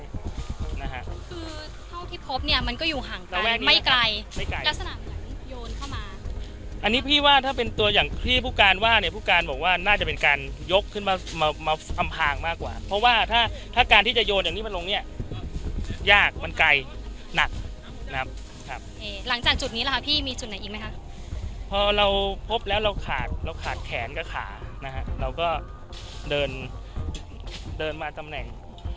ลักษณะอย่างโยนเข้ามาอันนี้พี่ว่าถ้าเป็นตัวอย่างที่ผู้การว่าเนี่ยผู้การบอกว่าน่าจะเป็นการยกขึ้นมามามาฟังมากกว่าเพราะว่าถ้าถ้าการที่จะโยนอย่างนี้มันลงเนี่ยยากมันไกลหนักนะครับครับเอ่อหลังจากจุดนี้แล้วค่ะพี่มีจุดไหนอีกไหมครับพอเราพบแล้วเราขาดเราขาดแขนก็ขานะฮะเราก็เดินเดินมาตำแหน่ง